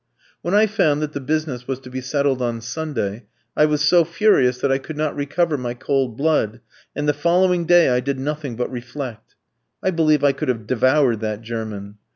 When I found that the business was to be settled on Sunday, I was so furious that I could not recover my cold blood, and the following day I did nothing but reflect. I believe I could have devoured that German.